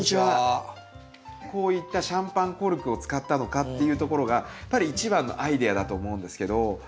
こういったシャンパンコルクを使ったのかっていうところがやっぱり一番のアイデアだと思うんですけど。